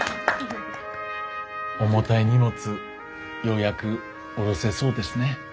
重たい荷物ようやく下ろせそうですね。